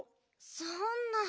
そんな。